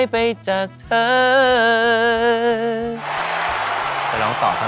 ไม่ใช่เจมส์มา